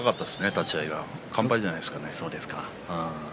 立ち合いが完敗じゃないですか。